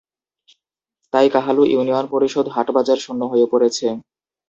তাই কাহালু ইউনিয়ন পরিষদ হাট বাজার শূন্য হয়ে পড়েছে।